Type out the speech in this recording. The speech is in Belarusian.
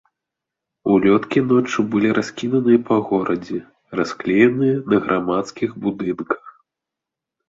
Улёткі ноччу былі раскіданыя па горадзе, расклееныя на грамадскіх будынках.